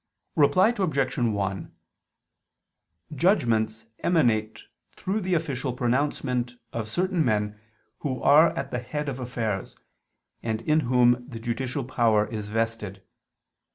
Reply Obj. 1: Judgments emanate through the official pronouncement of certain men who are at the head of affairs, and in whom the judicial power is vested.